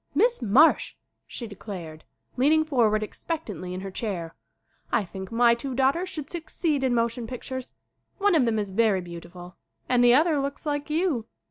"Miss Marsh," she declared, leaning for ward expectantly in her chair, "I think my two daughters should succeed in motion pictures. One of them is very beautiful, and the other looks like you."